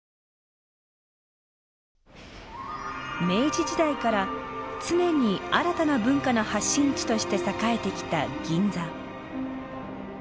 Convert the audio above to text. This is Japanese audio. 明治時代から常に新たな文化の発信地として栄えてきた銀座。